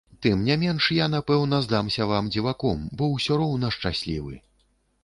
Тым не менш я, напэўна, здамся вам дзіваком, бо ўсё роўна шчаслівы.